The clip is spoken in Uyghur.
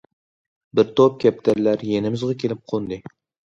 بىر توپ كەپتەرلەر يېنىمىزغا كېلىپ قوندى.